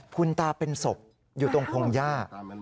คุณตาเป็นศพอยู่ตรงพงหญ้า